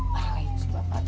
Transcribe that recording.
wah gila pak